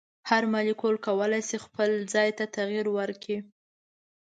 هر مالیکول کولی شي خپل ځای ته تغیر ورکړي.